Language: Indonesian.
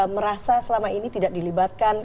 merasa selama ini tidak dilibatkan